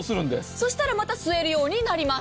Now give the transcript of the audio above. そしたらまた吸えるようになります。